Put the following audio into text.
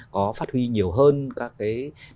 có phát huy nhiều hơn các cái